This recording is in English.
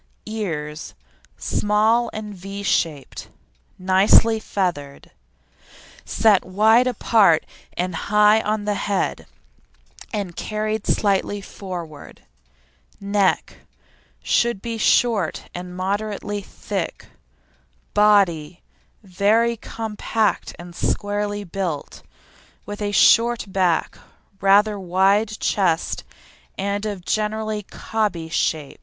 EARS Small and V shaped, nicely feathered, set wide apart and high on the head and carried slightly forward. NECK Should be short and moderately thick. BODY Very compact and squarely built, with a short back, rather wide chest, and of generally "cobby" shape.